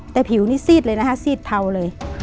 แต่ผิวนี่ซีดเลยนะคะซีดเทาเลย